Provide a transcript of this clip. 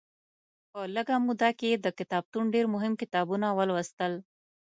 په لږه موده کې یې د کتابتون ډېر مهم کتابونه ولوستل.